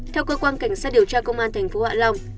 theo cơ quan cảnh sát điều tra công an tp hạ long